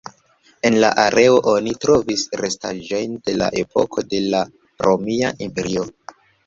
En la areo oni trovis restaĵojn de la epoko de la Romia Imperio.